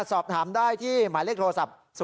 สอบถามได้ที่หมายเลขโทรศัพท์